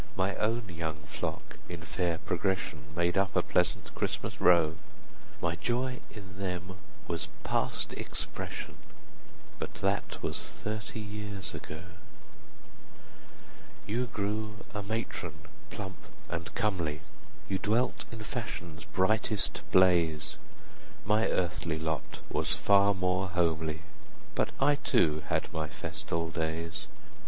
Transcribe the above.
My own young flock, in fair progression, Made up a pleasant Christmas row: 30 My joy in them was past expression; But that was thirty years ago. You grew a matron plump and comely, You dwelt in fashion's brightest blaze; My earthly lot was far more homely; 35 But I too had my festal days.